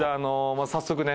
早速ね